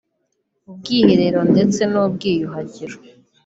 ubwiherero ndetse n’ubwiyuhagiriro